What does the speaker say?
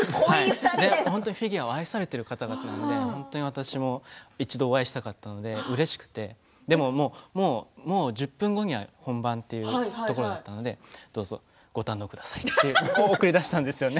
本当にフィギュアを愛されている方々なので一度お会いしたかったのでうれしくてでももう１０分後には本番っていうところだったのでどうぞご堪能くださいって送り出したんですよね。